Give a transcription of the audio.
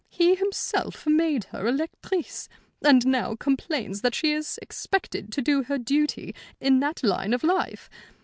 He himself made her a lectrice, and now complains that she is expected to do her duty in that line of life.